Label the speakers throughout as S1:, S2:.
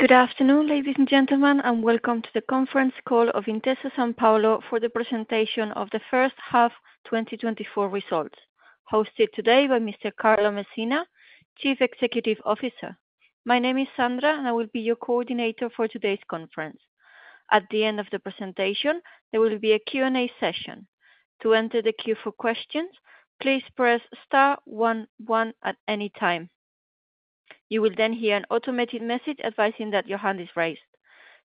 S1: Good afternoon, ladies and gentlemen, and welcome to the conference call of Intesa Sanpaolo for the presentation of the first half 2024 results, hosted today by Mr. Carlo Messina, Chief Executive Officer. My name is Sandra, and I will be your coordinator for today's conference. At the end of the presentation, there will be a Q&A session. To enter the queue for questions, please press star one one at any time. You will then hear an automated message advising that your hand is raised.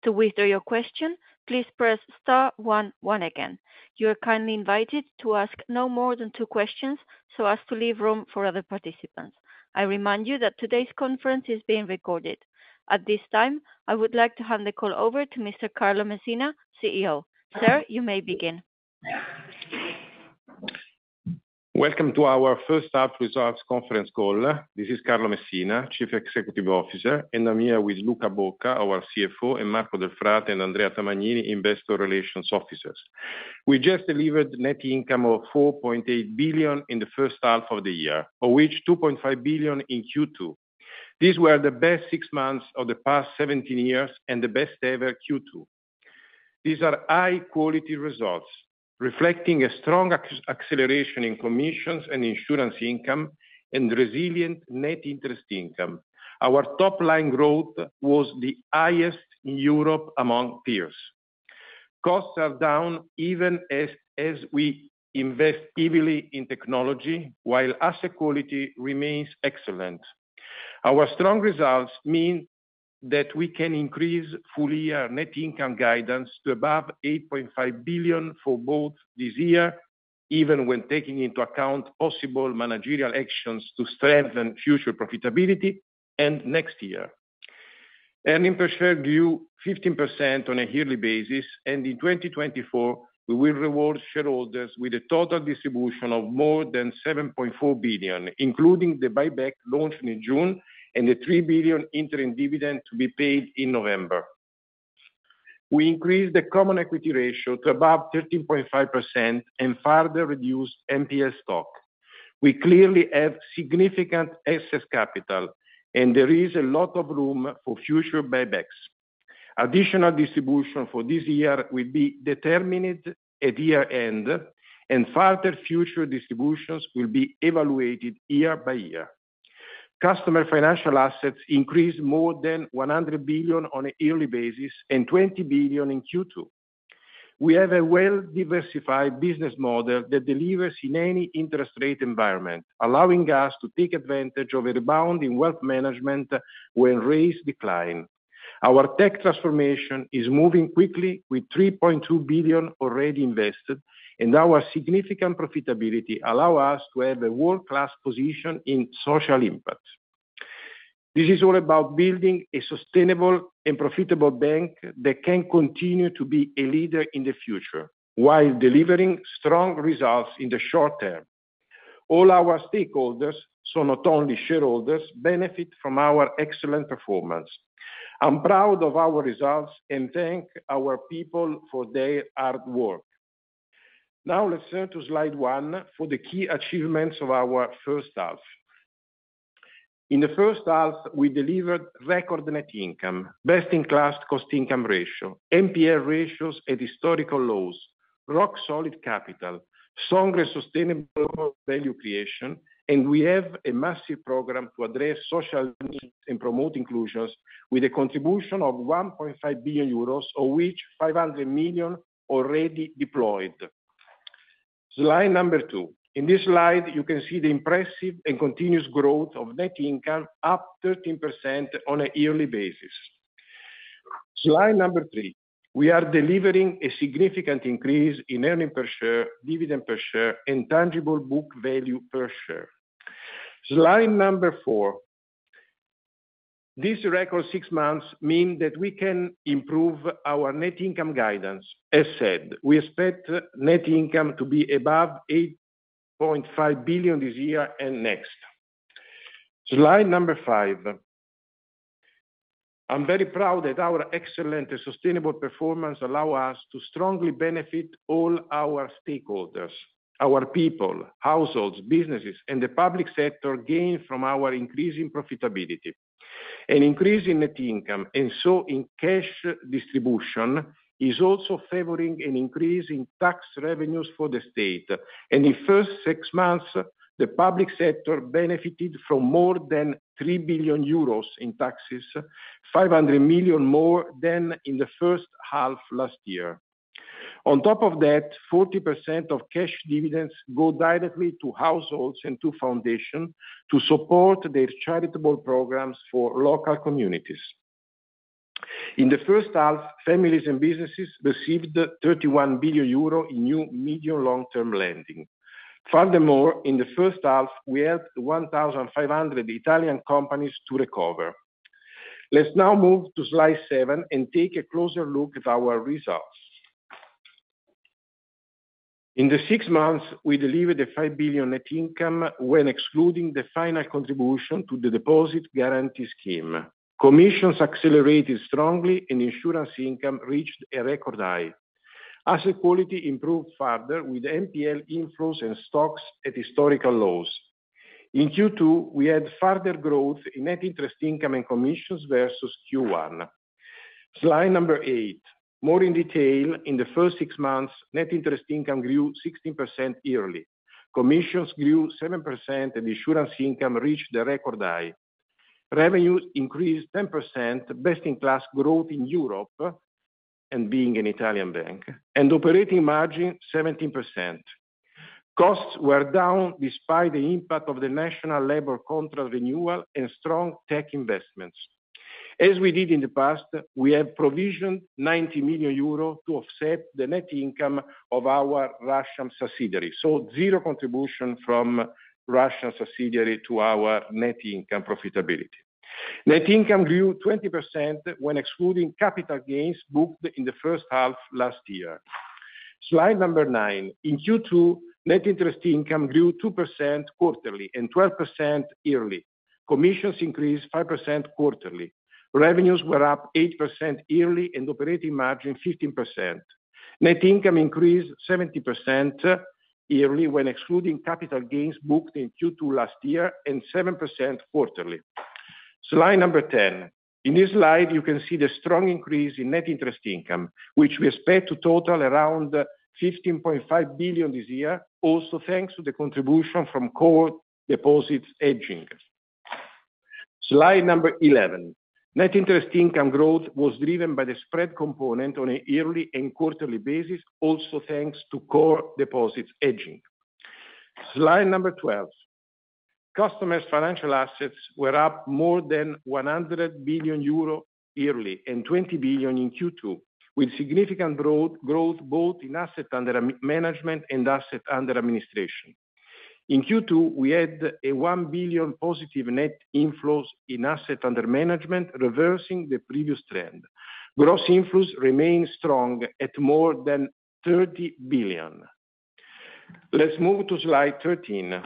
S1: To withdraw your question, please press star one one again. You are kindly invited to ask no more than two questions so as to leave room for other participants. I remind you that today's conference is being recorded. At this time, I would like to hand the call over to Mr. Carlo Messina, CEO. Sir, you may begin.
S2: Welcome to our first half results conference call. This is Carlo Messina, Chief Executive Officer, and I'm here with Luca Bocca, our CFO, and Marco Delfrate, and Andrea Tamagnini, Investor Relations Officers. We just delivered net income of 4.8 billion in the first half of the year, of which 2.5 billion in Q2. These were the best six months of the past 17 years and the best ever Q2. These are high-quality results reflecting a strong acceleration in commissions and insurance income and resilient net interest income. Our top-line growth was the highest in Europe among peers. Costs are down even as we invest heavily in technology, while asset quality remains excellent. Our strong results mean that we can increase full-year net income guidance to above 8.5 billion for both this year, even when taking into account possible managerial actions to strengthen future profitability and next year. Earnings per share grew 15% on a yearly basis, and in 2024, we will reward shareholders with a total distribution of more than 7.4 billion, including the buyback launched in June and the 3 billion interim dividend to be paid in November. We increased the common equity ratio to above 13.5% and further reduced NPL stock. We clearly have significant excess capital, and there is a lot of room for future buybacks. Additional distribution for this year will be determined at year-end, and further future distributions will be evaluated year by year. Customer financial assets increased more than 100 billion on a yearly basis and 20 billion in Q2. We have a well-diversified business model that delivers in any interest rate environment, allowing us to take advantage of a rebound in wealth management when rates decline. Our tech transformation is moving quickly, with 3.2 billion already invested, and our significant profitability allows us to have a world-class position in social impact. This is all about building a sustainable and profitable bank that can continue to be a leader in the future while delivering strong results in the short term. All our stakeholders, so not only shareholders, benefit from our excellent performance. I'm proud of our results and thank our people for their hard work. Now, let's turn to slide one for the key achievements of our first half. In the first half, we delivered record net income, best-in-class cost-income ratio, NPL ratios at historical lows, rock-solid capital, strong and sustainable value creation, and we have a massive program to address social needs and promote inclusion with a contribution of 1.5 billion euros, of which 500 million already deployed. Slide number 2. In this slide, you can see the impressive and continuous growth of net income up 13% on a yearly basis. Slide number 3. We are delivering a significant increase in earnings per share, dividend per share, and tangible book value per share. Slide number 4. These record six months mean that we can improve our net income guidance. As said, we expect net income to be above 8.5 billion this year and next. Slide number 5. I'm very proud that our excellent sustainable performance allows us to strongly benefit all our stakeholders, our people, households, businesses, and the public sector gain from our increasing profitability. An increase in net income and so in cash distribution is also favoring an increase in tax revenues for the state. In the first 6 months, the public sector benefited from more than 3 billion euros in taxes, 500 million more than in the first half last year. On top of that, 40% of cash dividends go directly to households and to foundations to support their charitable programs for local communities. In the first half, families and businesses received 31 billion euro in new medium-long-term lending. Furthermore, in the first half, we helped 1,500 Italian companies to recover. Let's now move to slide 7 and take a closer look at our results. In the 6 months, we delivered a 5 billion net income when excluding the final contribution to the deposit guarantee scheme. Commissions accelerated strongly, and insurance income reached a record high. Asset quality improved further with NPL inflows and stocks at historical lows. In Q2, we had further growth in net interest income and commissions versus Q1. Slide number eight. More in detail, in the first six months, net interest income grew 16% yearly. Commissions grew 7%, and insurance income reached a record high. Revenue increased 10%, best-in-class growth in Europe and being an Italian bank, and operating margin 17%. Costs were down despite the impact of the national labor contract renewal and strong tech investments. As we did in the past, we have provisioned 90 million euros to offset the net income of our Russian subsidiary, so zero contribution from Russian subsidiary to our net income profitability. Net income grew 20% when excluding capital gains booked in the first half last year. Slide number nine. In Q2, net interest income grew 2% quarterly and 12% yearly. Commissions increased 5% quarterly. Revenues were up 8% yearly and operating margin 15%. Net income increased 70% yearly when excluding capital gains booked in Q2 last year and 7% quarterly. Slide number 10. In this slide, you can see the strong increase in net interest income, which we expect to total around 15.5 billion this year, also thanks to the contribution from core deposits hedging. Slide number 11. Net interest income growth was driven by the spread component on a yearly and quarterly basis, also thanks to core deposits hedging. Slide number 12. Customer's financial assets were up more than 100 billion euro yearly and 20 billion in Q2, with significant growth both in asset under management and asset under administration. In Q2, we had a 1 billion positive net inflows in asset under management, reversing the previous trend. Gross inflows remained strong at more than 30 billion. Let's move to slide 13.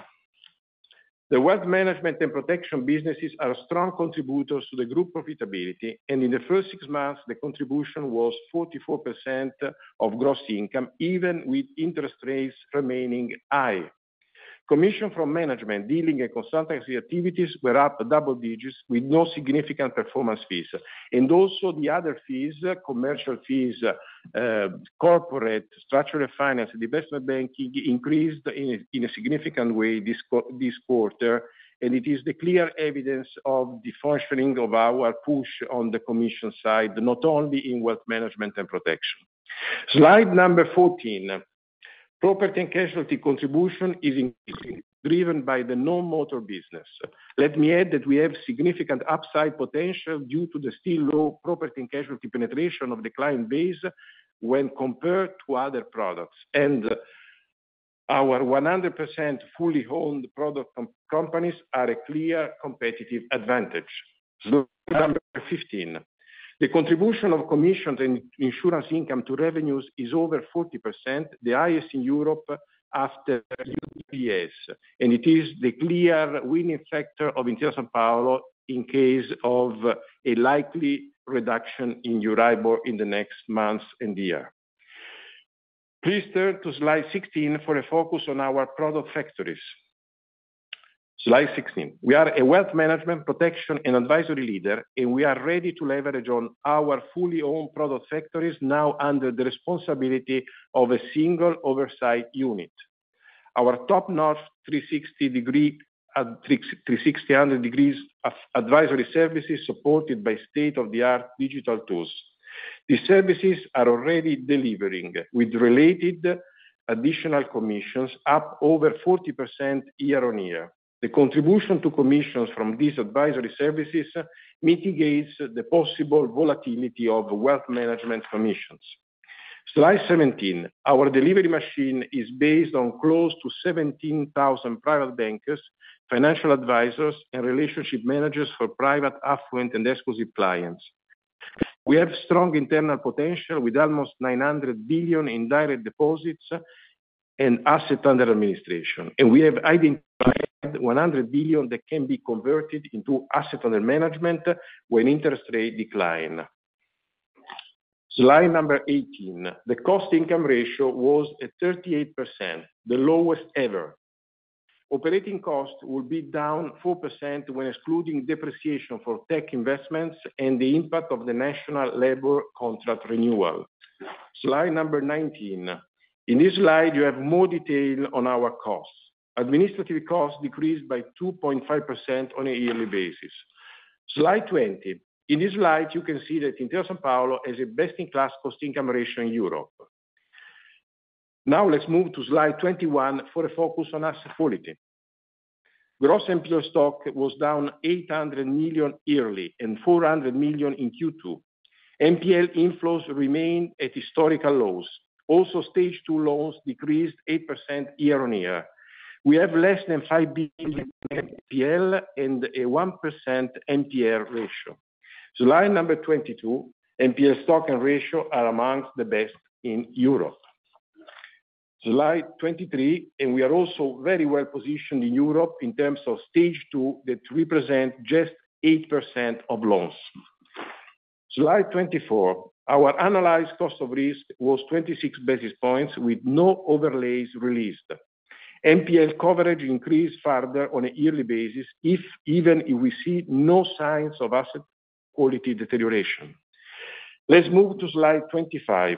S2: The wealth management and protection businesses are strong contributors to the group profitability, and in the first six months, the contribution was 44% of gross income, even with interest rates remaining high. Commission from management, dealing, and consultancy activities were up double digits with no significant performance fees. Also the other fees, commercial fees, corporate structural finance, and investment banking increased in a significant way this quarter, and it is the clear evidence of the functioning of our push on the commission side, not only in wealth management and protection. Slide number 14. Property and casualty contribution is increasing, driven by the non-motor business. Let me add that we have significant upside potential due to the still low property and casualty penetration of the client base when compared to other products, and our 100% fully-owned product companies are a clear competitive advantage. Slide number 15. The contribution of commissions and insurance income to revenues is over 40%, the highest in Europe after UBS, and it is the clear winning factor of Intesa Sanpaolo in case of a likely reduction in Euribor in the next months and year. Please turn to slide 16 for a focus on our product factories. Slide 16. We are a wealth management, protection, and advisory leader, and we are ready to leverage on our fully-owned product factories now under the responsibility of a single oversight unit. Our top-notch 360-degree advisory services are supported by state-of-the-art digital tools. These services are already delivering, with related additional commissions up over 40% year-on-year. The contribution to commissions from these advisory services mitigates the possible volatility of wealth management commissions. Slide 17. Our delivery machine is based on close to 17,000 private bankers, financial advisors, and relationship managers for private affluent and exclusive clients. We have strong internal potential with almost 900 billion in direct deposits and asset under administration, and we have identified 100 billion that can be converted into asset under management when interest rates decline. Slide number 18. The cost-income ratio was at 38%, the lowest ever. Operating costs will be down 4% when excluding depreciation for tech investments and the impact of the national labor contract renewal. Slide number 19. In this slide, you have more detail on our costs. Administrative costs decreased by 2.5% on a yearly basis. Slide 20. In this slide, you can see that Intesa Sanpaolo has a best-in-class cost-income ratio in Europe. Now, let's move to slide 21 for a focus on asset quality. Gross NPL stock was down 800 million yearly and 400 million in Q2. NPL inflows remain at historical lows. Also, stage two loans decreased 8% year-on-year. We have less than 5 billion NPL and a 1% NPL ratio. Slide number 22. NPL stock and ratio are among the best in Europe. Slide 23. We are also very well positioned in Europe in terms of stage two that represents just 8% of loans. Slide 24. Our analyzed cost of risk was 26 basis points with no overlays released. NPL coverage increased further on a yearly basis, even if we see no signs of asset quality deterioration. Let's move to slide 25.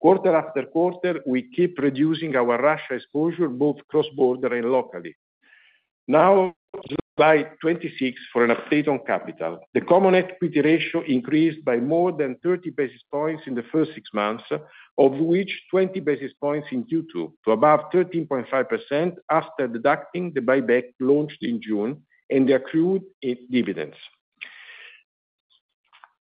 S2: Quarter after quarter, we keep reducing our Russia exposure both cross-border and locally. Now, slide 26 for an update on capital. The common equity ratio increased by more than 30 basis points in the first six months, of which 20 basis points in Q2, to above 13.5% after deducting the buyback launched in June and the accrued dividends.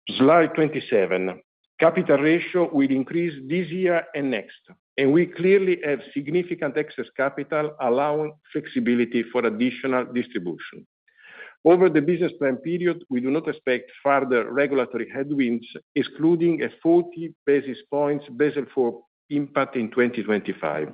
S2: Slide 27. Capital ratio will increase this year and next, and we clearly have significant excess capital allowing flexibility for additional distribution. Over the business plan period, we do not expect further regulatory headwinds, excluding a 40 basis points Basel IV impact in 2025.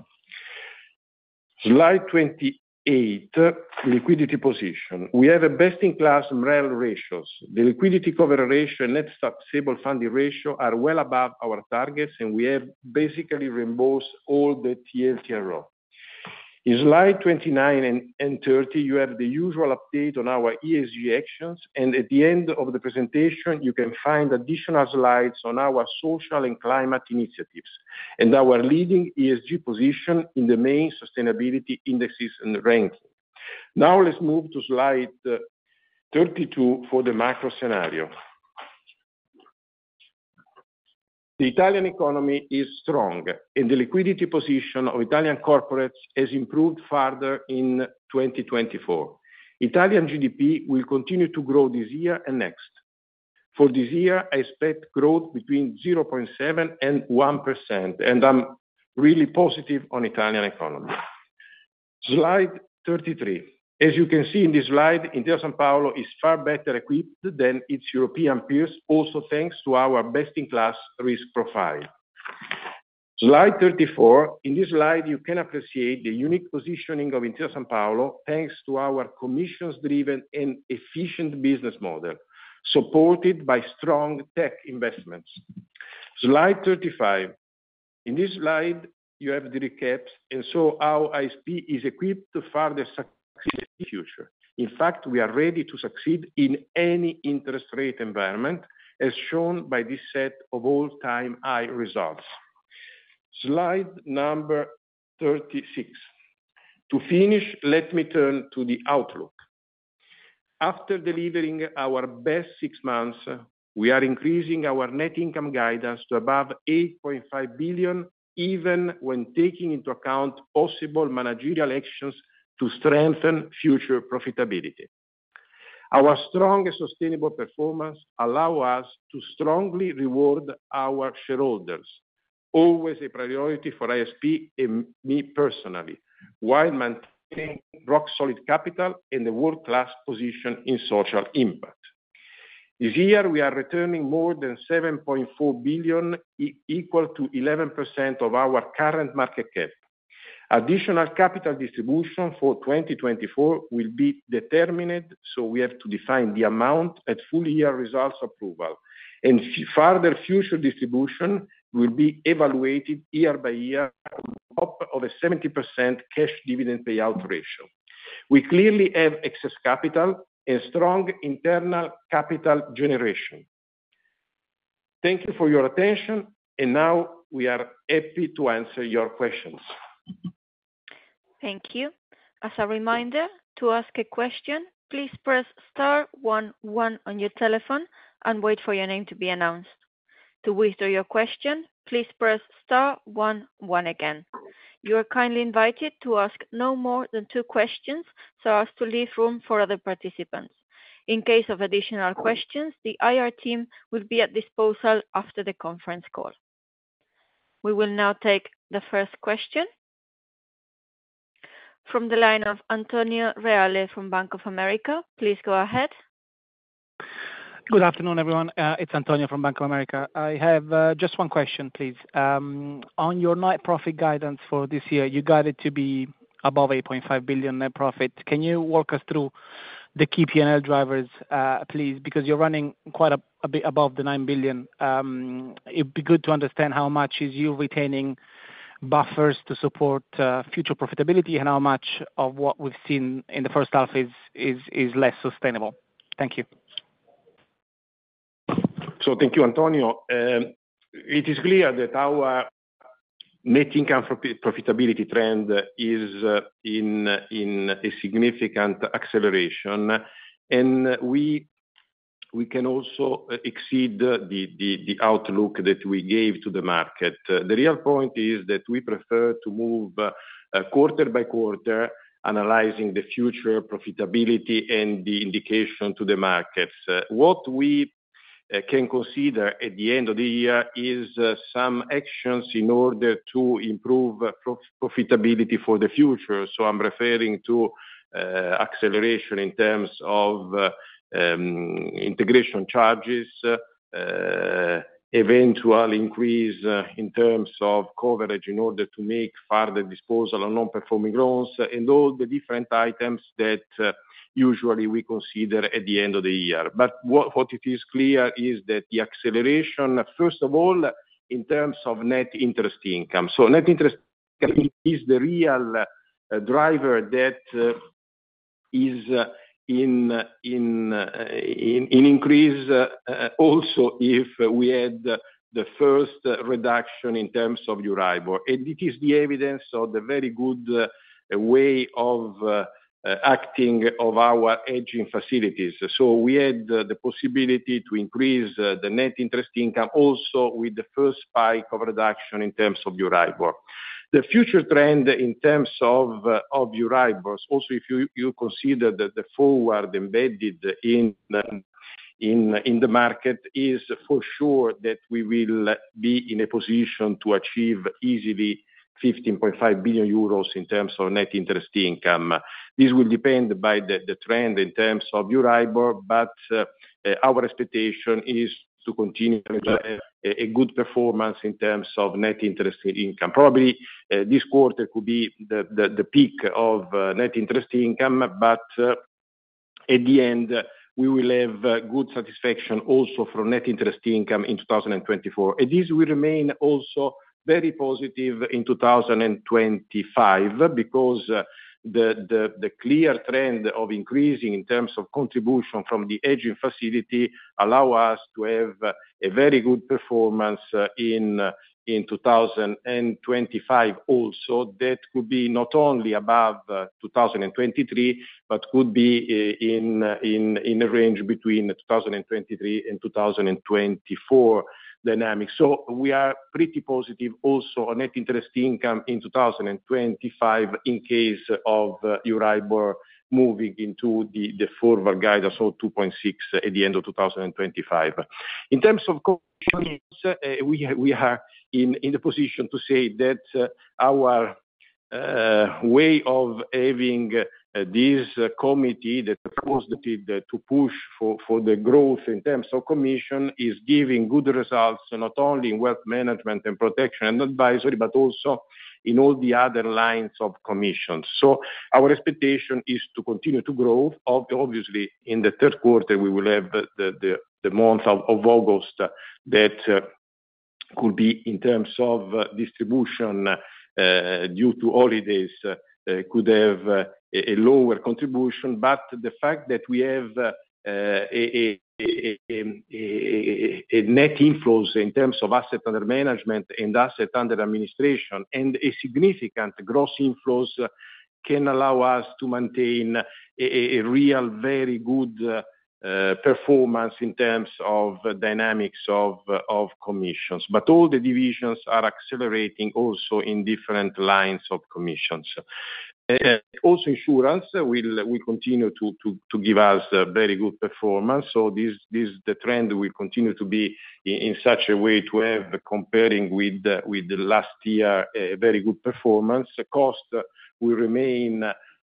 S2: Slide 28. Liquidity position. We have a best-in-class MREL ratios. The liquidity coverage ratio and net stable funding ratio are well above our targets, and we have basically reimbursed all the TLTRO. In slide 29 and 30, you have the usual update on our ESG actions, and at the end of the presentation, you can find additional slides on our social and climate initiatives and our leading ESG position in the main sustainability indexes and ranking. Now, let's move to slide 32 for the macro scenario. The Italian economy is strong, and the liquidity position of Italian corporates has improved further in 2024. Italian GDP will continue to grow this year and next. For this year, I expect growth between 0.7% and 1%, and I'm really positive on the Italian economy. Slide 33. As you can see in this slide, Intesa Sanpaolo is far better equipped than its European peers, also thanks to our best-in-class risk profile. Slide 34. In this slide, you can appreciate the unique positioning of Intesa Sanpaolo thanks to our commissions-driven and efficient business model supported by strong tech investments. Slide 35. In this slide, you have the recaps and show how ISP is equipped to further succeed in the future. In fact, we are ready to succeed in any interest rate environment, as shown by this set of all-time high results. Slide number 36. To finish, let me turn to the outlook. After delivering our best six months, we are increasing our net income guidance to above 8.5 billion, even when taking into account possible managerial actions to strengthen future profitability. Our strong and sustainable performance allows us to strongly reward our shareholders, always a priority for ISP and me personally, while maintaining rock-solid capital and a world-class position in social impact. This year, we are returning more than 7.4 billion, equal to 11% of our current market cap. Additional capital distribution for 2024 will be determined, so we have to define the amount at full-year results approval, and further future distribution will be evaluated year by year on top of a 70% cash dividend payout ratio. We clearly have excess capital and strong internal capital generation. Thank you for your attention, and now we are happy to answer your questions.
S1: Thank you. As a reminder, to ask a question, please press star one one on your telephone and wait for your name to be announced. To withdraw your question, please press star one one again. You are kindly invited to ask no more than two questions so as to leave room for other participants. In case of additional questions, the IR team will be at disposal after the conference call. We will now take the first question from the line of Antonio Reale from Bank of America. Please go ahead.
S3: Good afternoon, everyone. It's Antonio from Bank of America. I have just one question, please. On your net profit guidance for this year, you guided to be above 8.5 billion net profit. Can you walk us through the key P&L drivers, please? Because you're running quite a bit above the 9 billion. It'd be good to understand how much you're retaining buffers to support future profitability and how much of what we've seen in the first half is less sustainable. Thank you.
S2: So thank you, Antonio. It is clear that our net income profitability trend is in a significant acceleration, and we can also exceed the outlook that we gave to the market. The real point is that we prefer to move quarter by quarter, analyzing the future profitability and the indication to the markets. What we can consider at the end of the year is some actions in order to improve profitability for the future. So I'm referring to acceleration in terms of integration charges, eventual increase in terms of coverage in order to make further disposal on non-performing loans, and all the different items that usually we consider at the end of the year. But what it is clear is that the acceleration, first of all, in terms of net interest income. So net interest income is the real driver that is in increase also if we had the first reduction in terms of Euribor. And it is the evidence of the very good way of acting of our hedging facilities. So we had the possibility to increase the net interest income also with the first spike of reduction in terms of Euribor. The future trend in terms of Euribor, also if you consider that the forward embedded in the market is for sure that we will be in a position to achieve easily 15.5 billion euros in terms of net interest income. This will depend by the trend in terms of Euribor, but our expectation is to continue a good performance in terms of net interest income. Probably this quarter could be the peak of net interest income, but at the end, we will have good satisfaction also from net interest income in 2024. And this will remain also very positive in 2025 because the clear trend of increasing in terms of contribution from the hedging facility allows us to have a very good performance in 2025 also. That could be not only above 2023, but could be in a range between 2023 and 2024 dynamic. So we are pretty positive also on net interest income in 2025 in case of Euribor moving into the forward guidance of 2.6 at the end of 2025. In terms of commissions, we are in the position to say that our way of having this committee that was to push for the growth in terms of commission is giving good results not only in wealth management and protection and advisory, but also in all the other lines of commissions. So our expectation is to continue to grow. Obviously, in the third quarter, we will have the month of August that could be in terms of distribution due to holidays, could have a lower contribution. But the fact that we have a net inflows in terms of asset under management and asset under administration and a significant gross inflows can allow us to maintain a real, very good performance in terms of dynamics of commissions. But all the divisions are accelerating also in different lines of commissions. Also, insurance will continue to give us very good performance. So the trend will continue to be in such a way to have, comparing with last year, a very good performance. Cost will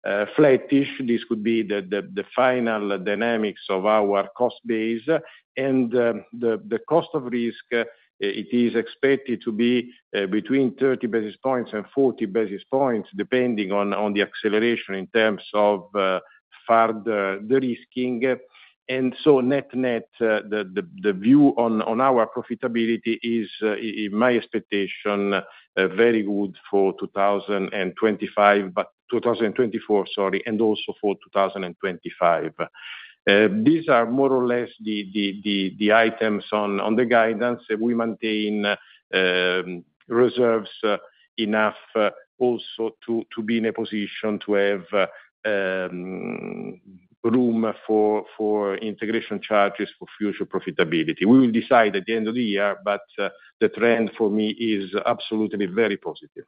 S2: remain flattish. This could be the final dynamics of our cost base. And the cost of risk, it is expected to be between 30 basis points and 40 basis points, depending on the acceleration in terms of further risking. And so net net, the view on our profitability is, in my expectation, very good for 2024, sorry, and also for 2025. These are more or less the items on the guidance. We maintain reserves enough also to be in a position to have room for integration charges for future profitability. We will decide at the end of the year, but the trend for me is absolutely very positive.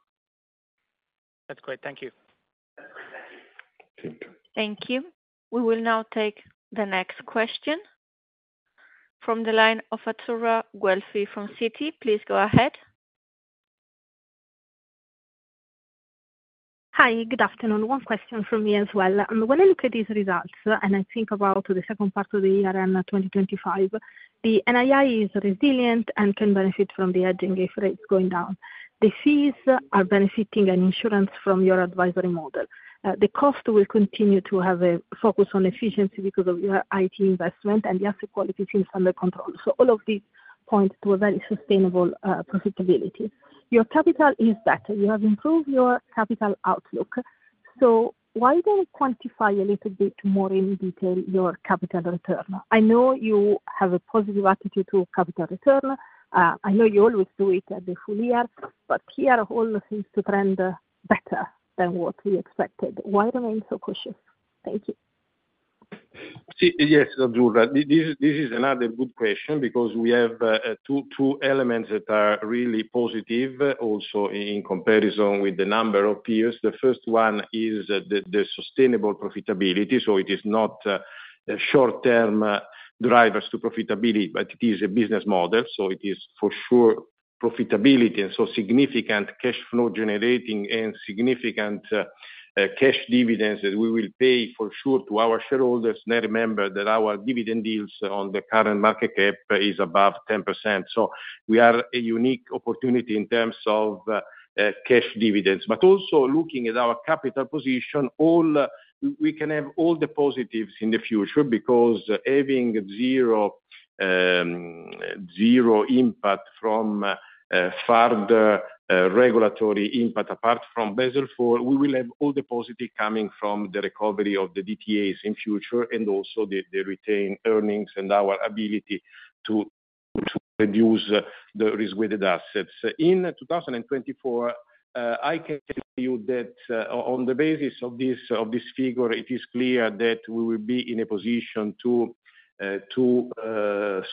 S3: That's great. Thank you.
S2: Thank you.
S1: Thank you. We will now take the next question from the line of Azzurra Guelfi from Citi. Please go ahead.
S4: Hi, good afternoon. One question for me as well. When I look at these results and I think about the second part of the year and 2025, the NII is resilient and can benefit from the hedging if rates going down. The fees are benefiting and insurance from your advisory model. The cost will continue to have a focus on efficiency because of your IT investment and the asset quality seems under control. So all of these points to a very sustainable profitability. Your capital is better. You have improved your capital outlook. So why don't we quantify a little bit more in detail your capital return? I know you have a positive attitude to capital return. I know you always do it at the full year, but here all the things to trend better than what we expected. Why remain so cautious? Thank you.
S2: Yes, Azzurrah. This is another good question because we have two elements that are really positive also in comparison with the number of peers. The first one is the sustainable profitability. So it is not short-term drivers to profitability, but it is a business model. So it is for sure profitability and so significant cash flow generating and significant cash dividends that we will pay for sure to our shareholders. Now remember that our dividend yields on the current market cap is above 10%. So we are a unique opportunity in terms of cash dividends. But also looking at our capital position, we can have all the positives in the future because having zero impact from further regulatory impact apart from Basel IV, we will have all the positive coming from the recovery of the DTAs in future and also the retained earnings and our ability to reduce the risk-weighted assets. In 2024, I can tell you that on the basis of this figure, it is clear that we will be in a position to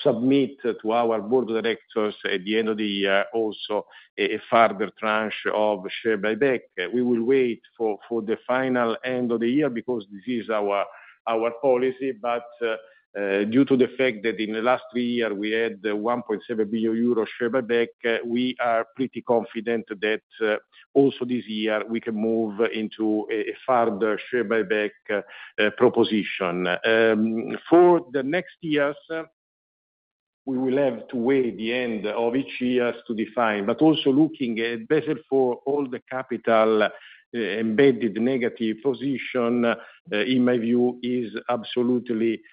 S2: submit to our board of directors at the end of the year also a further tranche of share buyback. We will wait for the final end of the year because this is our policy. But due to the fact that in the last three years we had 1.7 billion euros share buyback, we are pretty confident that also this year we can move into a further share buyback proposition. For the next years, we will have to wait the end of each year to define. But also looking at Basel IV, all the capital embedded negative position, in my view, is absolutely manageable.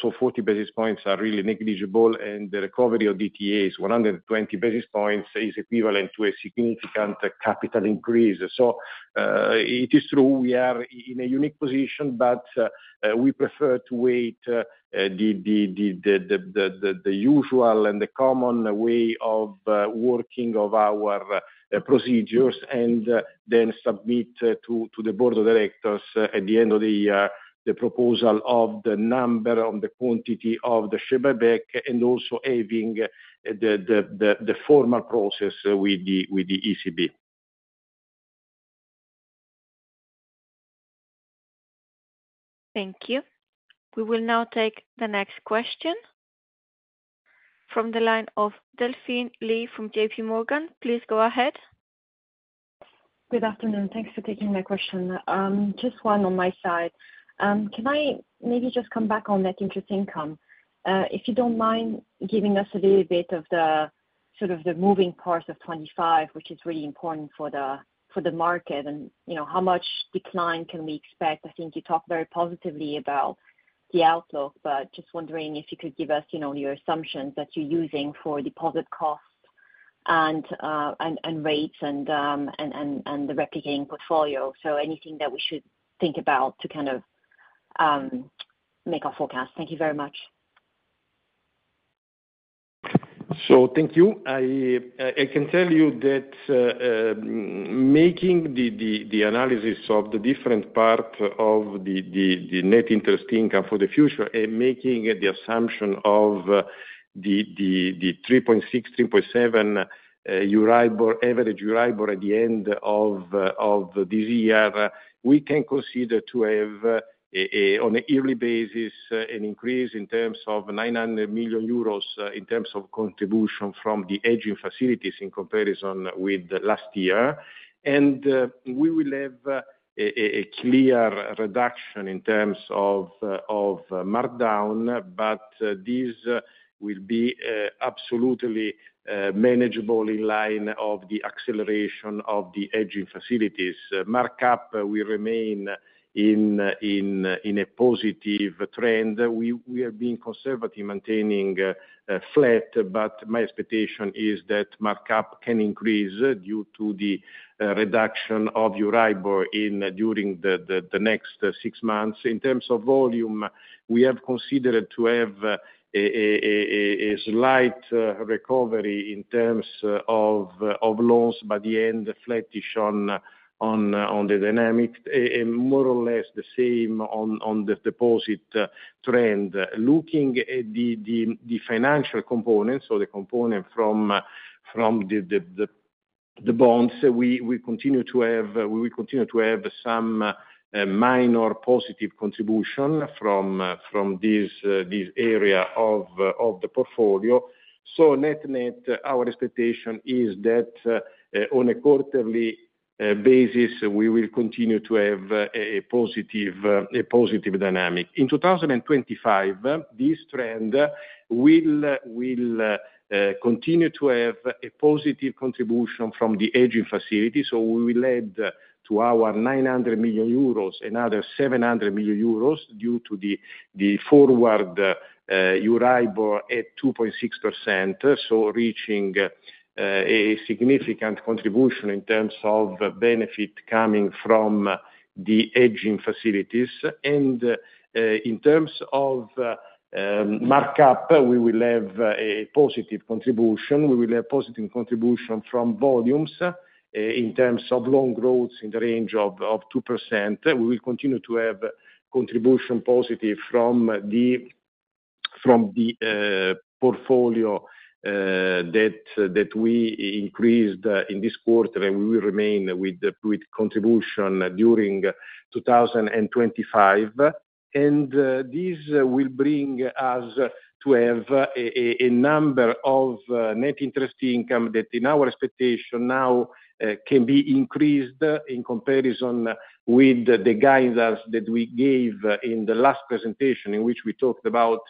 S2: So 40 basis points are really negligible, and the recovery of DTAs, 120 basis points is equivalent to a significant capital increase. So it is true we are in a unique position, but we prefer to wait the usual and the common way of working of our procedures and then submit to the board of directors at the end of the year the proposal of the number on the quantity of the share buyback and also having the formal process with the ECB.
S1: Thank you. We will now take the next question from the line of Delphine Lee from JPMorgan. Please go ahead.
S5: Good afternoon. Thanks for taking my question. Just one on my side. Can I maybe just come back on net interest income? If you don't mind giving us a little bit of the sort of the moving part of 2025, which is really important for the market and how much decline can we expect? I think you talked very positively about the outlook, but just wondering if you could give us your assumptions that you're using for deposit costs and rates and the replicating portfolio. So anything that we should think about to kind of make our forecast. Thank you very much.
S2: So thank you. I can tell you that, making the analysis of the different part of the net interest income for the future and making the assumption of the 3.6, 3.7 average Euribor at the end of this year, we can consider to have on an annual basis an increase in terms of 900 million euros in terms of contribution from the hedging facilities in comparison with last year. We will have a clear reduction in terms of markdown, but this will be absolutely manageable in line with the acceleration of the hedging facilities. Markup will remain in a positive trend. We are being conservative, maintaining flat, but my expectation is that markup can increase due to the reduction of Euribor during the next six months. In terms of volume, we have considered to have a slight recovery in terms of loans, but the end flattish on the dynamic and more or less the same on the deposit trend. Looking at the financial components, so the component from the bonds, we continue to have some minor positive contribution from this area of the portfolio. So net net, our expectation is that on a quarterly basis, we will continue to have a positive dynamic. In 2025, this trend will continue to have a positive contribution from the hedging facility. So we will add to our 900 million euros another 700 million euros due to the forward Euribor at 2.6%, so reaching a significant contribution in terms of benefit coming from the hedging facilities. And in terms of markup, we will have a positive contribution. We will have positive contribution from volumes in terms of loan growth in the range of 2%. We will continue to have contribution positive from the portfolio that we increased in this quarter, and we will remain with contribution during 2025. And this will bring us to have a number of net interest income that in our expectation now can be increased in comparison with the guidance that we gave in the last presentation in which we talked about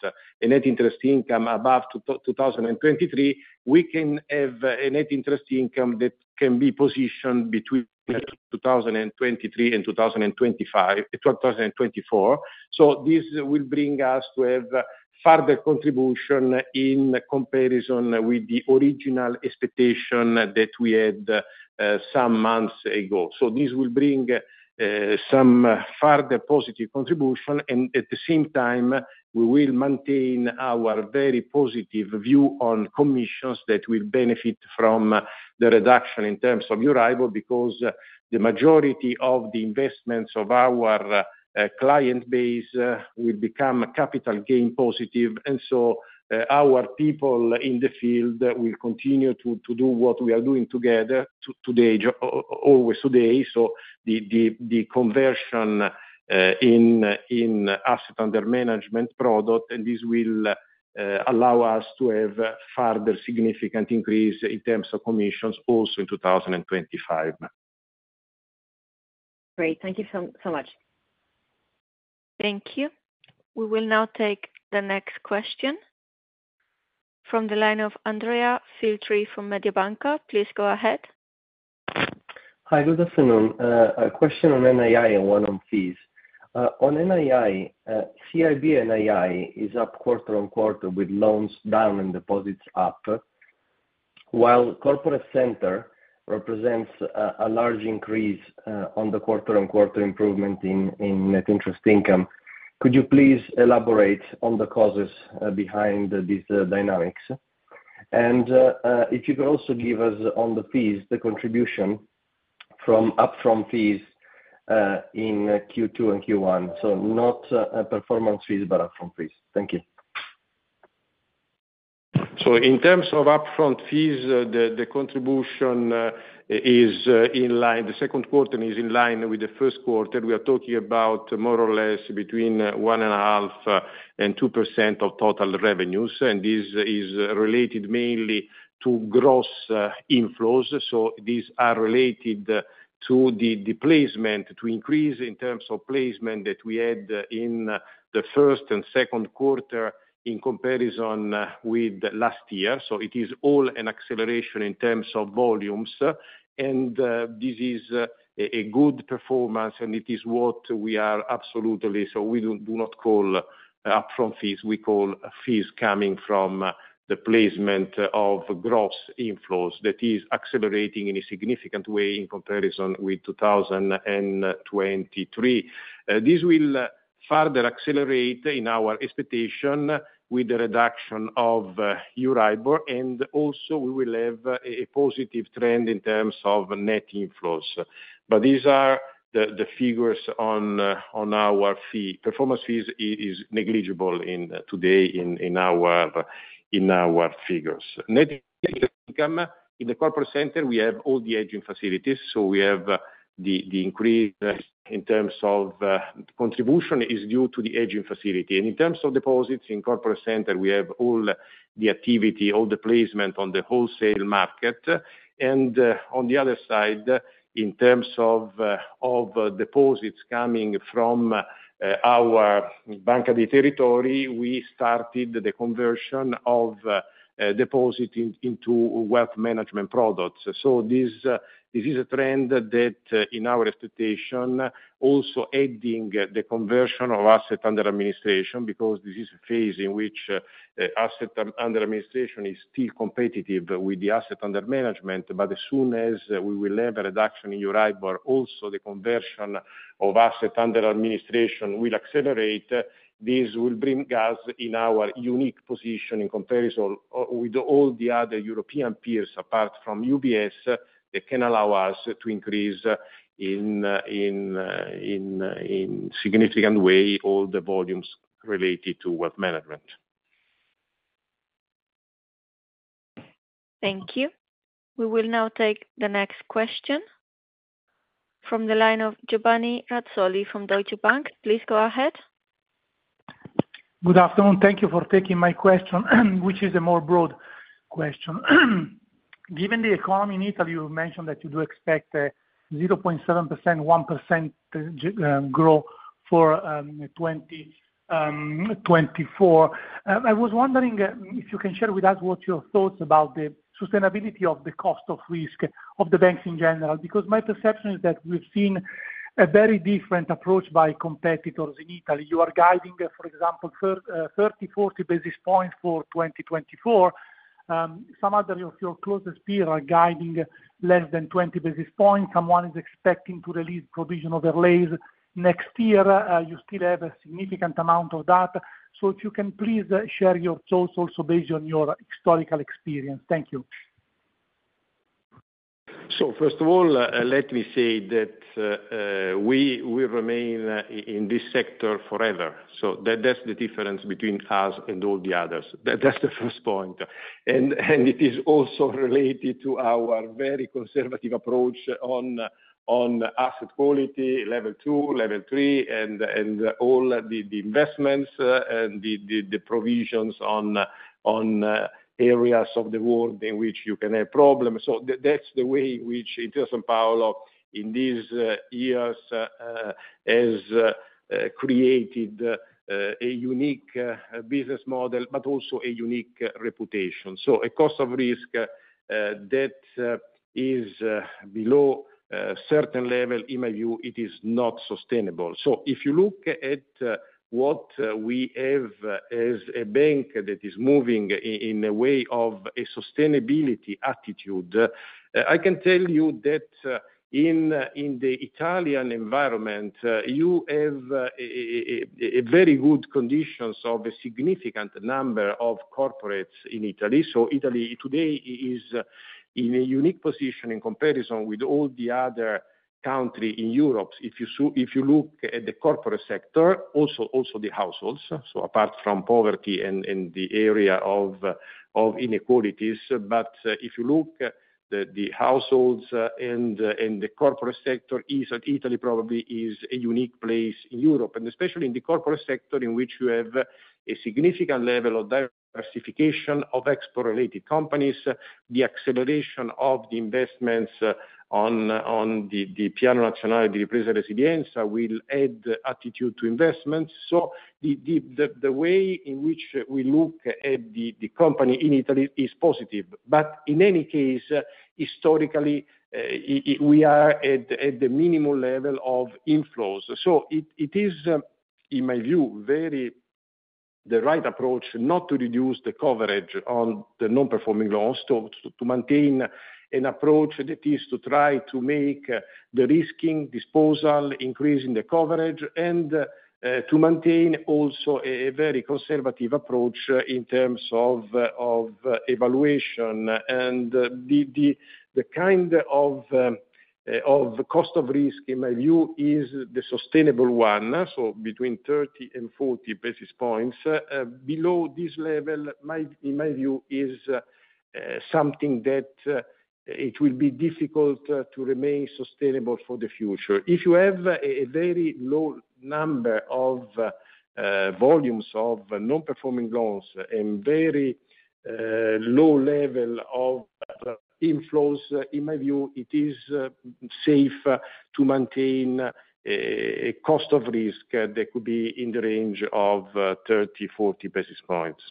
S2: a net interest income above 2023. We can have a net interest income that can be positioned between 2023 and 2024. So this will bring us to have further contribution in comparison with the original expectation that we had some months ago. So this will bring some further positive contribution, and at the same time, we will maintain our very positive view on commissions that will benefit from the reduction in terms of Euribor because the majority of the investments of our client base will become capital gain positive. And so our people in the field will continue to do what we are doing together always today. So the conversion in asset under management product, and this will allow us to have further significant increase in terms of commissions also in 2025.
S5: Great. Thank you so much.
S1: Thank you. We will now take the next question from the line of Andrea Filtri from Mediobanca. Please go ahead.
S6: Hi, good afternoon. A question on NII and one on fees. On NII, CIB NII is up quarter-on-quarter with loans down and deposits up, while Corporate Center represents a large increase on the quarter-on-quarter improvement in net interest income. Could you please elaborate on the causes behind these dynamics? If you could also give us on the fees, the contribution from upfront fees in Q2 and Q1, so not performance fees, but upfront fees. Thank you.
S2: So in terms of upfront fees, the contribution is in line, the second quarter is in line with the first quarter. We are talking about more or less between 1.5% and 2% of total revenues, and this is related mainly to gross inflows. So these are related to the placement to increase in terms of placement that we had in the first and second quarter in comparison with last year. So it is all an acceleration in terms of volumes, and this is a good performance, and it is what we are absolutely, so we do not call upfront fees, we call fees coming from the placement of gross inflows that is accelerating in a significant way in comparison with 2023. This will further accelerate in our expectation with the reduction of Euribor, and also we will have a positive trend in terms of net inflows. But these are the figures on our fee. Performance fees is negligible today in our figures. Net income in the Corporate Center, we have all the hedging facilities, so we have the increase in terms of contribution is due to the hedging facility. In terms of deposits in Corporate Center, we have all the activity, all the placement on the wholesale market. On the other side, in terms of deposits coming from our bank of the territory, we started the conversion of deposit into wealth management products. So this is a trend that in our expectation also adding the conversion of asset under administration because this is a phase in which asset under administration is still competitive with the asset under management. But as soon as we will have a reduction in Euribor, also the conversion of asset under administration will accelerate. This will bring us in our unique position in comparison with all the other European peers apart from UBS that can allow us to increase in significant way all the volumes related to wealth management.
S1: Thank you. We will now take the next question from the line of Giovanni Razzoli from Deutsche Bank. Please go ahead.
S7: Good afternoon. Thank you for taking my question, which is a more broad question. Given the economy in Italy, you mentioned that you do expect a 0.7%, 1% growth for 2024. I was wondering if you can share with us what your thoughts about the sustainability of the cost of risk of the banks in general because my perception is that we've seen a very different approach by competitors in Italy. You are guiding, for example, 30, 40 basis points for 2024. Some other of your closest peers are guiding less than 20 basis points. Someone is expecting to release provisional overlays next year. You still have a significant amount of that. So if you can please share your thoughts also based on your historical experience. Thank you.
S2: So first of all, let me say that we remain in this sector forever. So that's the difference between us and all the others. That's the first point. It is also related to our very conservative approach on asset quality, level two, level three, and all the investments and the provisions on areas of the world in which you can have problems. That's the way in which it doesn't power up in these years has created a unique business model, but also a unique reputation. A cost of risk that is below a certain level, in my view, it is not sustainable. If you look at what we have as a bank that is moving in a way of a sustainability attitude, I can tell you that in the Italian environment, you have very good conditions of a significant number of corporates in Italy. Italy today is in a unique position in comparison with all the other countries in Europe. If you look at the corporate sector, also the households, so apart from poverty and the area of inequalities. But if you look, the households and the corporate sector, Italy probably is a unique place in Europe, and especially in the corporate sector in which you have a significant level of diversification of export-related companies. The acceleration of the investments on the Piano Nazionale di Ripresa e Resilienza will add attitude to investments. So the way in which we look at the company in Italy is positive. But in any case, historically, we are at the minimum level of inflows. So it is, in my view, very the right approach not to reduce the coverage on the non-performing loans to maintain an approach that is to try to make the risking disposal, increasing the coverage, and to maintain also a very conservative approach in terms of evaluation. The kind of cost of risk, in my view, is the sustainable one. Between 30 and 40 basis points below this level, in my view, is something that it will be difficult to remain sustainable for the future. If you have a very low number of volumes of non-performing loans and very low level of inflows, in my view, it is safe to maintain a cost of risk that could be in the range of 30, 40 basis points.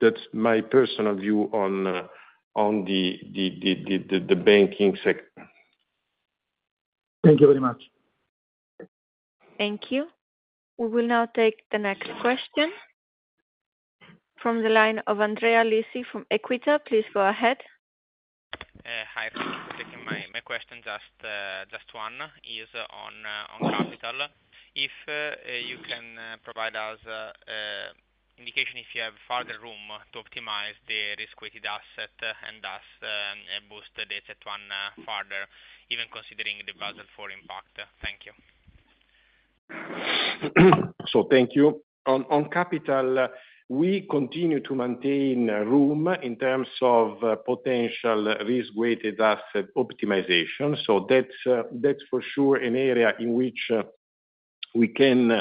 S2: That's my personal view on the banking sector.
S7: Thank you very much.
S1: Thank you. We will now take the next question from the line of Andrea Lisi from Equita. Please go ahead.
S8: Hi. Thank you for taking my question. Just one is on capital. If you can provide us indication if you have further room to optimize the risk-weighted assets and thus boost the CET1 further, even considering the Basel IV impact. Thank you.
S2: So thank you. On capital, we continue to maintain room in terms of potential risk-weighted assets optimization. So that's for sure an area in which we can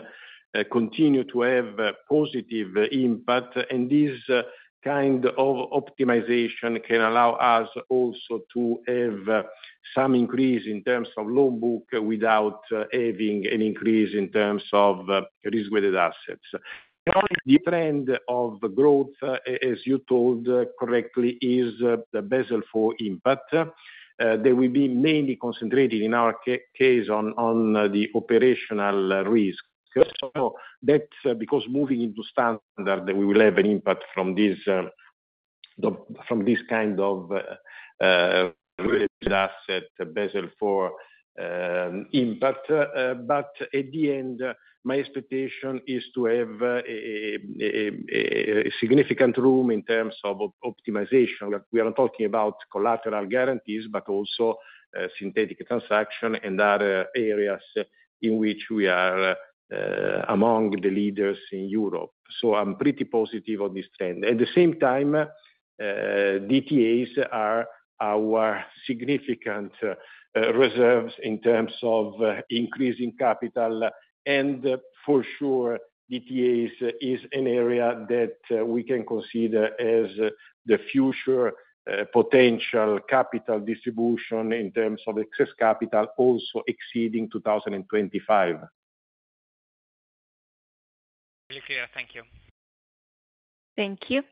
S2: continue to have positive impact. And this kind of optimization can allow us also to have some increase in terms of loan book without having an increase in terms of risk-weighted assets. The trend of growth, as you told correctly, is the Basel IV impact. There will be mainly concentrated in our case on the operational risk. So that's because moving into standard, we will have an impact from this kind of assets Basel IV impact. But at the end, my expectation is to have significant room in terms of optimization. We are talking about collateral guarantees, but also synthetic transaction and other areas in which we are among the leaders in Europe. So I'm pretty positive on this trend. At the same time, DTAs are our significant reserves in terms of increasing capital. And for sure, DTAs is an area that we can consider as the future potential capital distribution in terms of excess capital also exceeding 2025.
S8: Very clear. Thank you.
S1: Thank you.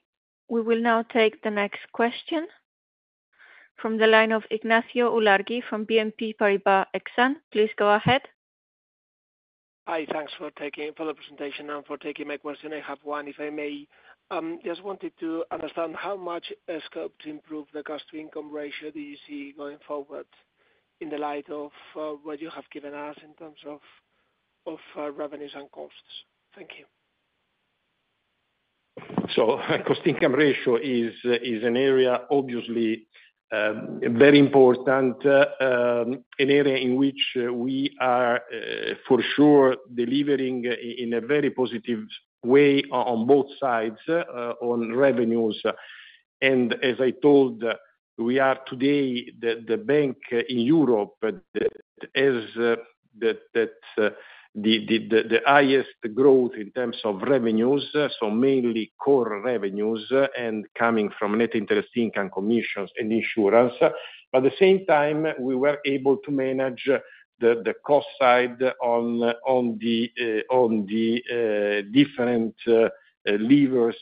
S1: We will now take the next question from the line of Ignacio Ulargui from BNP Paribas Exane. Please go ahead.
S9: Hi. Thanks for taking for the presentation and for taking my question. I have one, if I may. Just wanted to understand how much scope to improve the cost-to-income ratio do you see going forward in the light of what you have given us in terms of revenues and costs? Thank you.
S2: So cost-to-income ratio is an area, obviously, very important, an area in which we are for sure delivering in a very positive way on both sides on revenues. And as I told, we are today the bank in Europe that has the highest growth in terms of revenues, so mainly core revenues and coming from net interest income commissions and insurance. But at the same time, we were able to manage the cost side on the different levers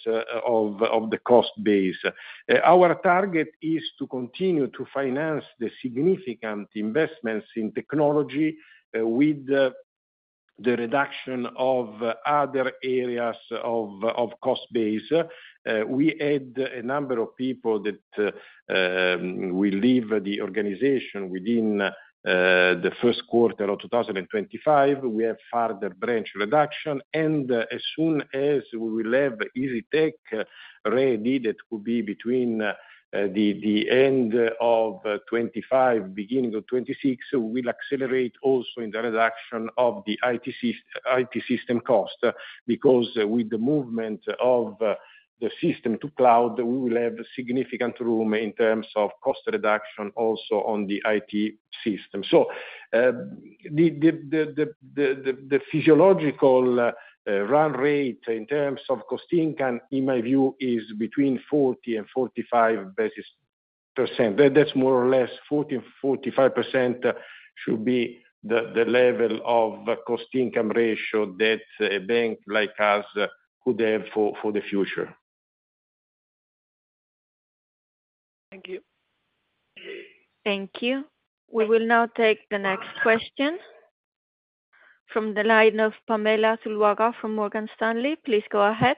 S2: of the cost base. Our target is to continue to finance the significant investments in technology with the reduction of other areas of cost base. We had a number of people that will leave the organization within the first quarter of 2025. We have further branch reduction. As soon as we will have IsyTech ready, that could be between the end of 2025, beginning of 2026, we will accelerate also in the reduction of the IT system cost because with the movement of the system to cloud, we will have significant room in terms of cost reduction also on the IT system. So the physiological run rate in terms of cost income, in my view, is between 40 and 45%. That's more or less 40 and 45% should be the level of cost income ratio that a bank like us could have for the future.
S9: Thank you.
S1: Thank you. We will now take the next question from the line of Pamela Zuluaga from Morgan Stanley. Please go ahead.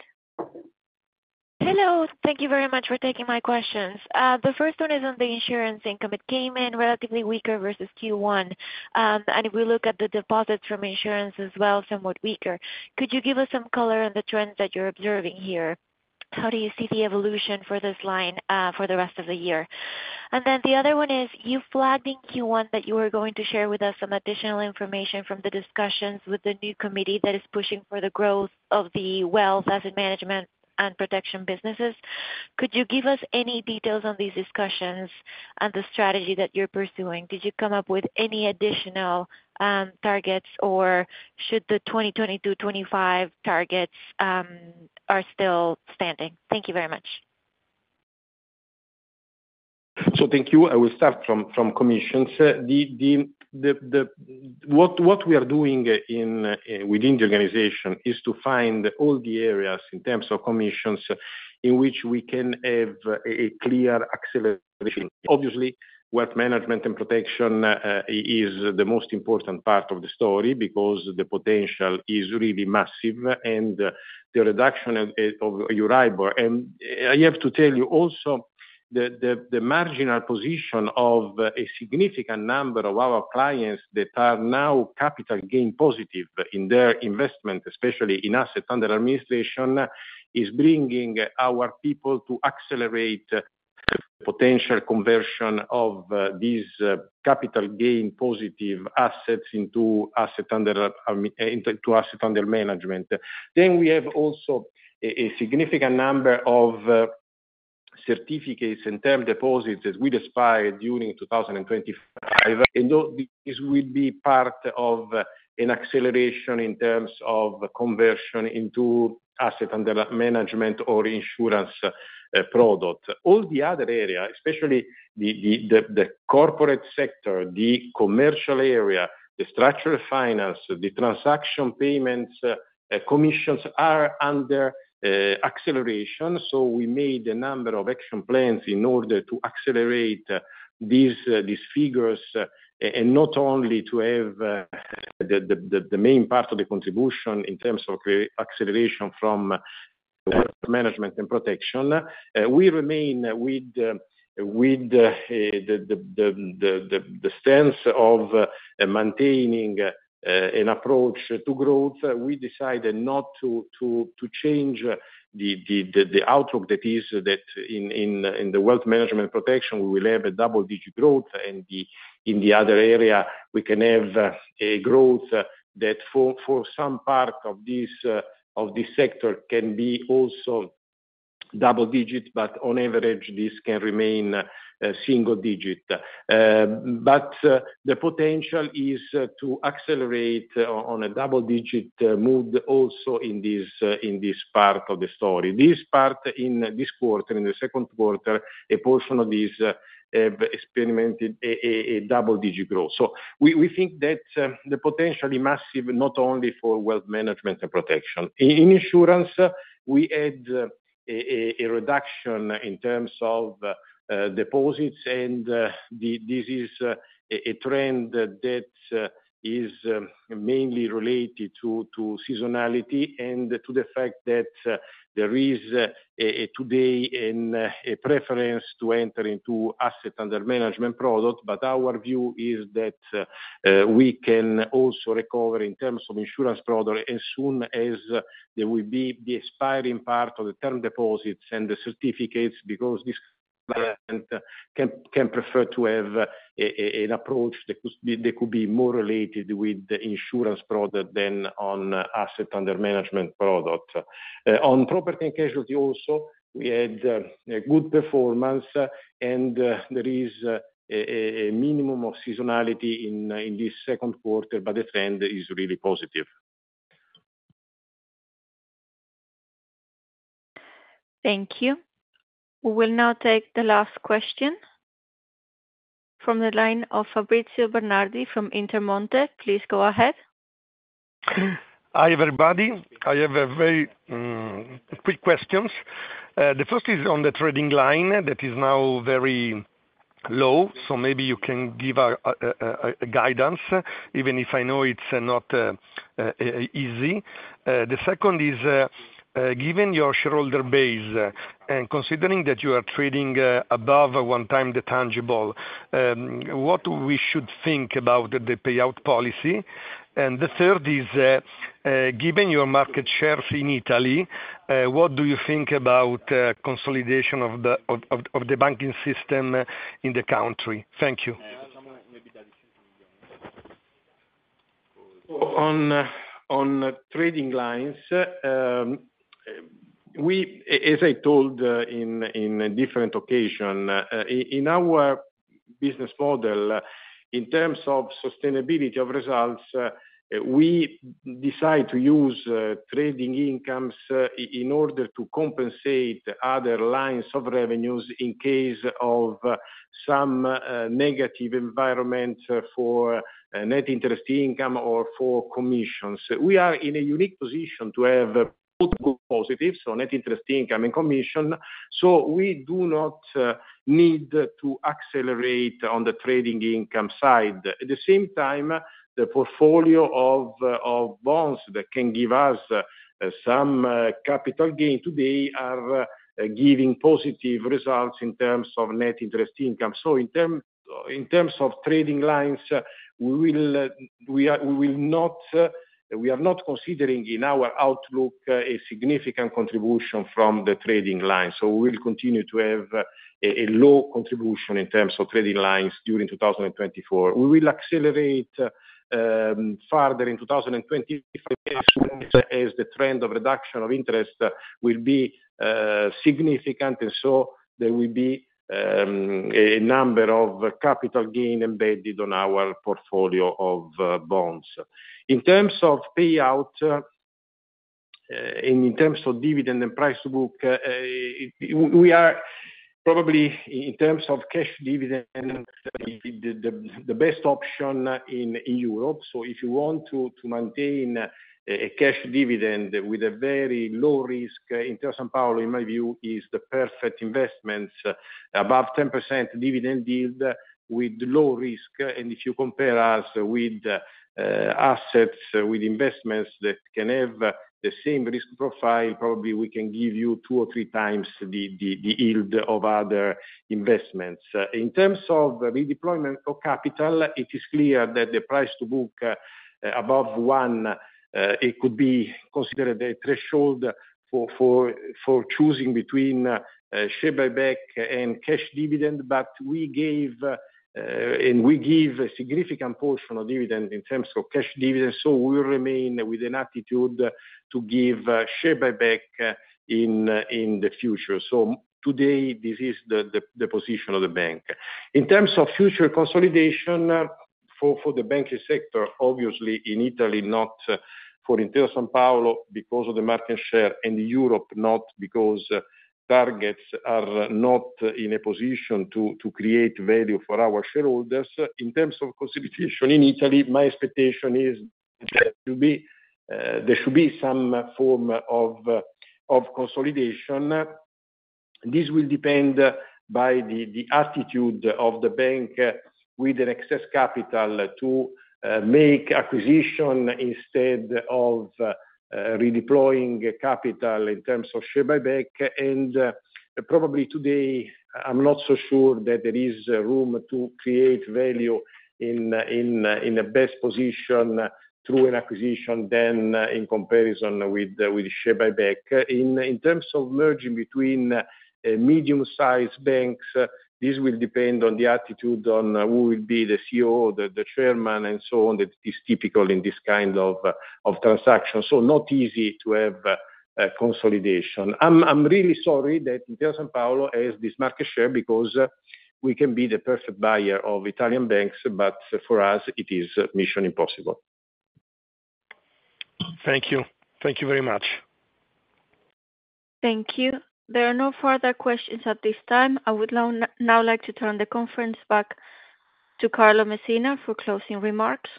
S10: Hello. Thank you very much for taking my questions. The first one is on the insurance income. It came in relatively weaker versus Q1. If we look at the deposits from insurance as well, somewhat weaker. Could you give us some color on the trends that you're observing here? How do you see the evolution for this line for the rest of the year? Then the other one is you flagged in Q1 that you were going to share with us some additional information from the discussions with the new committee that is pushing for the growth of the wealth asset management and protection businesses. Could you give us any details on these discussions and the strategy that you're pursuing? Did you come up with any additional targets, or should the 2022-25 targets are still standing? Thank you very much.
S2: Thank you. I will start from commissions. What we are doing within the organization is to find all the areas in terms of commissions in which we can have a clear acceleration. Obviously, wealth management and protection is the most important part of the story because the potential is really massive and the reduction of Euribor. And I have to tell you also the marginal position of a significant number of our clients that are now capital gain positive in their investment, especially in asset under administration, is bringing our people to accelerate the potential conversion of these capital gain positive assets into asset under management. Then we have also a significant number of certificates and term deposits that will expire during 2025. And this will be part of an acceleration in terms of conversion into asset under management or insurance product. All the other area, especially the corporate sector, the commercial area, the structural finance, the transaction payments, commissions are under acceleration. So we made a number of action plans in order to accelerate these figures and not only to have the main part of the contribution in terms of acceleration from wealth management and protection. We remain with the stance of maintaining an approach to growth. We decided not to change the outlook that is that in the wealth management protection, we will have a double-digit growth. And in the other area, we can have a growth that for some part of this sector can be also double-digit, but on average, this can remain single-digit. But the potential is to accelerate on a double-digit mood also in this part of the story. This part in this quarter, in the second quarter, a portion of these have experienced a double-digit growth. So we think that's the potentially massive, not only for wealth management and protection. In insurance, we had a reduction in terms of deposits, and this is a trend that is mainly related to seasonality and to the fact that there is today a preference to enter into asset under management product. But our view is that we can also recover in terms of insurance product as soon as there will be the expiring part of the term deposits and the certificates because this client can prefer to have an approach that could be more related with the insurance product than on asset under management product. On property and casualty also, we had good performance, and there is a minimum of seasonality in this second quarter, but the trend is really positive.
S1: Thank you. We will now take the last question from the line of Fabrizio Bernardi from Intermonte. Please go ahead.
S11: Hi, everybody. I have very quick questions. The first is on the trading line that is now very low, so maybe you can give a guidance, even if I know it's not easy. The second is, given your shareholder base and considering that you are trading above one time the tangible, what we should think about the payout policy? And the third is, given your market shares in Italy, what do you think about consolidation of the banking system in the country? Thank you.
S2: On trading lines, as I told in different occasions, in our business model, in terms of sustainability of results, we decide to use trading incomes in order to compensate other lines of revenues in case of some negative environment for net interest income or for commissions. We are in a unique position to have both positive, so net interest income and commission, so we do not need to accelerate on the trading income side. At the same time, the portfolio of bonds that can give us some capital gain today are giving positive results in terms of net interest income. So in terms of trading lines, we will not consider in our outlook a significant contribution from the trading lines. So we will continue to have a low contribution in terms of trading lines during 2024. We will accelerate further in 2025 as the trend of reduction of interest will be significant, and so there will be a number of capital gain embedded on our portfolio of bonds. In terms of payout and in terms of dividend and price to book, we are probably in terms of cash dividend, the best option in Europe. So if you want to maintain a cash dividend with a very low risk, Intesa Sanpaolo, in my view, is the perfect investments. Above 10% dividend yield with low risk. And if you compare us with assets with investments that can have the same risk profile, probably we can give you 2x or 3x the yield of other investments. In terms of redeployment of capital, it is clear that the price to book above 1, it could be considered a threshold for choosing between share buyback and cash dividend. But we gave a significant portion of dividend in terms of cash dividend, so we will remain with an attitude to give share buyback in the future. So today, this is the position of the bank. In terms of future consolidation for the banking sector, obviously in Italy, not for Intesa Sanpaolo because of the market share and Europe, not because targets are not in a position to create value for our shareholders. In terms of consolidation in Italy, my expectation is there should be some form of consolidation. This will depend on the attitude of the bank with an excess capital to make acquisition instead of redeploying capital in terms of share buyback. Probably today, I'm not so sure that there is room to create value in a best position through an acquisition than in comparison with share buyback. In terms of merging between medium-sized banks, this will depend on the attitude on who will be the CEO, the chairman, and so on, that is typical in this kind of transaction. Not easy to have consolidation. I'm really sorry that Intesa Sanpaolo has this market share because we can be the perfect buyer of Italian banks, but for us, it is mission impossible.
S11: Thank you. Thank you very much.
S1: Thank you. There are no further questions at this time. I would now like to turn the conference back to Carlo Messina for closing remarks.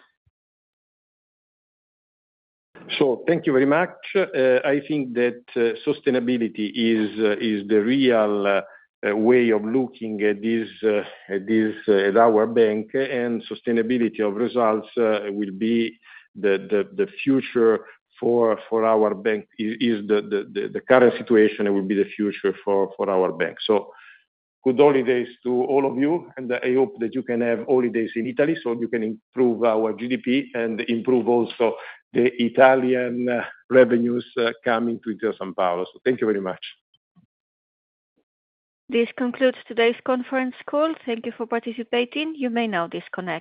S2: So thank you very much. I think that sustainability is the real way of looking at our bank, and sustainability of results will be the future for our bank. The current situation will be the future for our bank. So good holidays to all of you, and I hope that you can have holidays in Italy so you can improve our GDP and improve also the Italian revenues coming to Intesa Sanpaolo. So thank you very much.
S1: This concludes today's conference call. Thank you for participating. You may now disconnect.